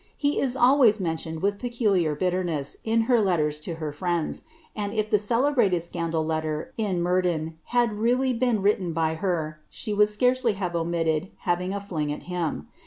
He is always mentioned with peculiar bitterness in ker letters to her friends, and if the celebrated scandal letter, in Murdin, kid reiJly been written by her, she would scarcely have omitted having a fling at him.